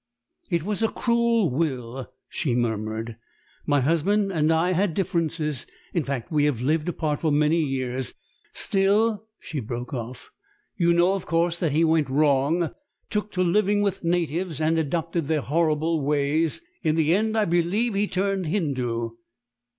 "It was a cruel will," she murmured. "My husband and I had differences; in fact, we have lived apart for many years. Still " She broke off. "You know, of course, that he went wrong took to living with natives and adopted their horrible ways in the end, I believe, turned Hindu."